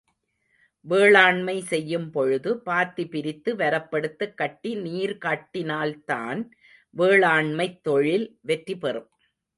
வேளாண்மை செய்யும் பொழுது பாத்தி பிரித்து வரப்பெடுத்துக் கட்டி நீர் கட்டினால் தான் வேளாண்மைத் தொழில் வெற்றி பெறும்.